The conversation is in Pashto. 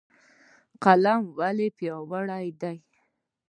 قلم ولې پیاوړی دی؟